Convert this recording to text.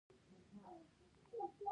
له مشکونو سره د کوچیانو پېغلې او ناويانې.